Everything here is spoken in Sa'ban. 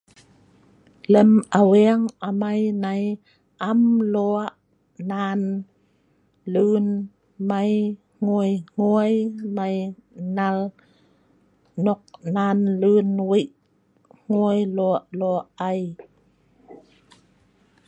Lem aweng amai nai am lo' nan lun mai hngui-hngui mai nal nok nan lun wei' hngui lo' lo' ai.